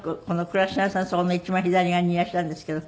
倉科さんそこの一番左側にいらっしゃるんですけど。